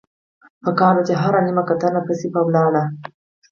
پکار ده چې هره نيمه ګنټه پس پۀ ولاړه